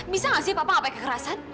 bisa nggak sih bapak ngapain kekerasan